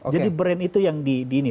jadi brand itu yang di ini